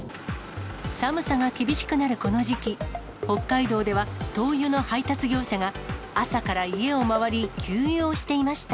寒さが厳しくなるこの時期、北海道では灯油の配達業者が朝から家を回り、給油をしていました。